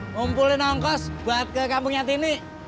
ngumpulin ongkos buat ke kampungnya ini